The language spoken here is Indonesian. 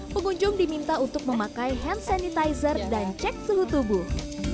pengunjung diminta untuk memakai hand sanitizer dan cek suhu tubuh